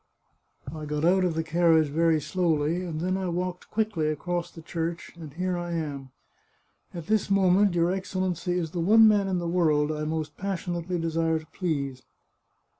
I got out of the car riage very slowly, and then I walked quickly across the church, and here I am. At this moment your Excellency is the one man in the world I most passionately desire to please."